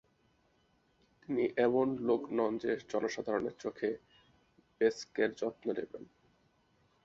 তিনি এমন লোক নন যে জনসাধারণের চোখে বেস্কের যত্ন করে।